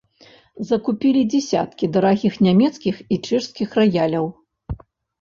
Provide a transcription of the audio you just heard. Закупілі дзясяткі дарагіх нямецкіх і чэшскіх раяляў.